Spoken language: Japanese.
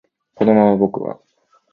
このまま僕は